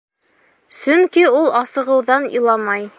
Сөнки ул асығыуҙан иламай.